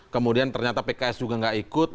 kemudian ternyata pks juga nggak ikut